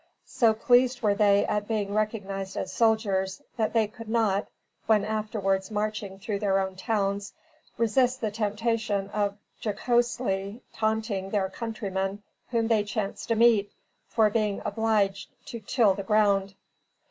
So pleased were they at being recognized as soldiers, that they could not, when afterwards marching through their own towns, resist the temptation of jocosely taunting their countrymen whom they chanced to meet, for being obliged to till the ground.